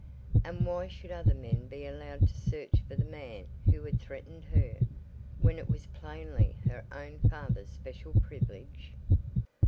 And why should other men be allowed to search for the man who had threatened her, when it was plainly her own father's special privilege?